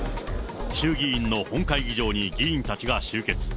衆議院の本会議場に議員たちが集結。